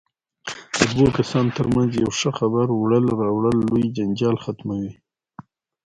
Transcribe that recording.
د دوو کسانو ترمنځ یو ښه خبر وړل راوړل لوی جنجال ختموي.